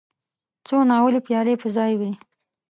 څو ناولې پيالې په ځای وې.